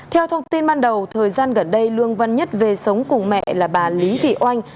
theo thông tin ban đầu thời gian gần đây lương văn nhất về sống cùng mẹ là bà lý thị oanh